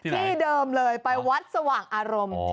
ที่เดิมเลยไปวัดสว่างอารมณ์